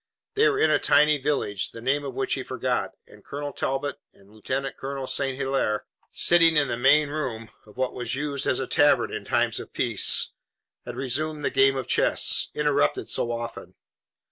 They were in a tiny village, the name of which he forgot, and Colonel Talbot and Lieutenant Colonel St. Hilaire, sitting in the main room of what was used as a tavern in times of peace, had resumed the game of chess, interrupted so often.